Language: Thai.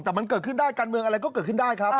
แต่มันเกิดขึ้นได้การเมืองอะไรก็เกิดขึ้นได้ครับ